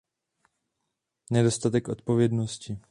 Nedostatek odpovědnosti.